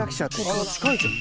ああ近いじゃん。